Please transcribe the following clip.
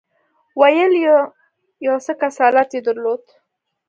ویل یې یو څه کسالت یې درلود.